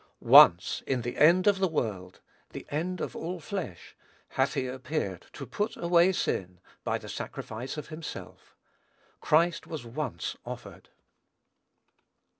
"Once, in the end of the world, (the end of all flesh,) hath he appeared to put away sin, by the sacrifice of himself." "Christ was once offered."